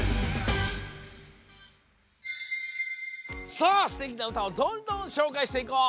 さあすてきなうたをどんどんしょうかいしていこう！